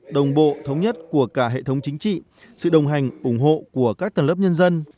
đồng bộ thống nhất của cả hệ thống chính trị sự đồng hành ủng hộ của các tầng lớp nhân dân